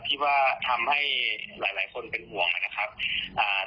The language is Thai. ที่ว่าทำให้หลายคนเป็นห่วงนะครับ